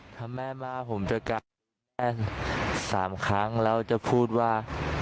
ถ้าแม่ว่าผมจะกลับแม่๓ครั้งแล้วจะพูดว่า